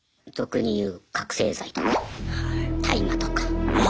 俗に言う覚醒剤とか大麻とか。